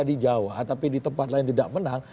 di jawa tapi di tempat lain tidak menang